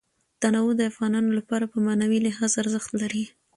تنوع د افغانانو لپاره په معنوي لحاظ ارزښت لري.